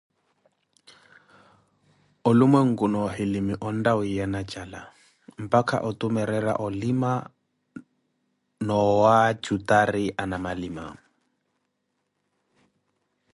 onlumwenku na ohilim ontta wiiyana jala, mpaka otumerera olima na owaajurati anamalima.